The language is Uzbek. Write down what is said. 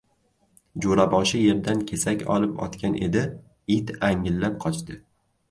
Jo‘raboshi yerdan kesak olib otgan edi, it angillab qochdi.